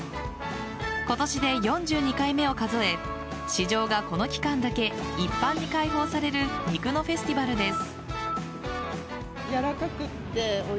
今年で４２回目を数え市場がこの期間だけ一般に開放される肉のフェスティバルです。